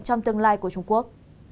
trong tương lai của trung quốc